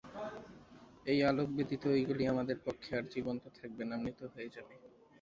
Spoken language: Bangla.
এই আলোক ব্যতীত ঐগুলি আমাদের পক্ষে আর জীবন্ত থাকবে না, মৃত হয়ে যাবে।